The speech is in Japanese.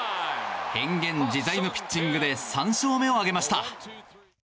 変幻自在のピッチングで３勝目を挙げました。